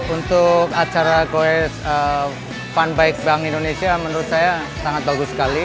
untuk acara goes funbike bank indonesia menurut saya sangat bagus sekali